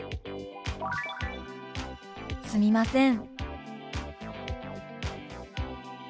「すみません」。